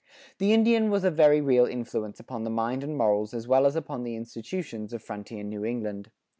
The Indian was a very real influence upon the mind and morals as well as upon the institutions of frontier New England.